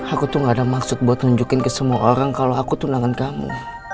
aku tuh gak ada maksud buat nunjukin ke semua orang kalau aku tunangan kamu